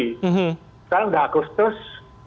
sekarang sudah agustus